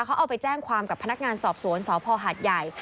เขาเอาไปแจ้งความกับพนักงานสอบสวนสพหาดใหญ่